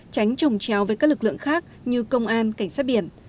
tránh trồng trèo với các lực lượng khác như công an cảnh sát biển